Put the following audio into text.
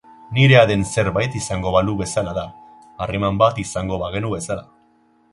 Nirea den zerbait izango balu bezala da, harreman bat izango bagenu bezala.